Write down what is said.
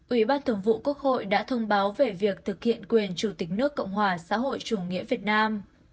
ủy ban thường vụ quốc hội đã thông báo về việc thực hiện quyền chủ tịch nước cộng hòa xã hội chủ nghĩa việt nam